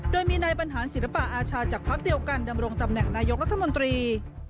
โดยมีนายบรรหารศิลปะอาชาจากพักเดียวกันดำรงตำแหน่งนายกรัฐมนตรี